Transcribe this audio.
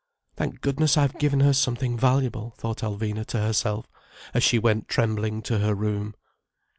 "Thank goodness I've given her something valuable," thought Alvina to herself, as she went trembling to her room.